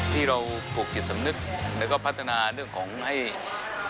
ที่เราผูกจิตสำนึกแล้วก็พัฒนาเรื่องของให้